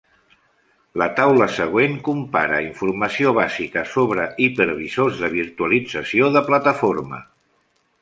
La taula següent compara informació bàsica sobre hipervisors de virtualització de plataforma.